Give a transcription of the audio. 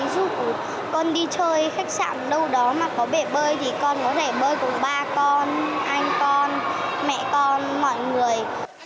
ví dụ con đi chơi khách sạn đâu đó mà có bể bơi thì con có thể bơi cùng ba con anh con mẹ con mọi người